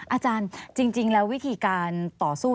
อาจารย์จริงแล้ววิธีการต่อสู้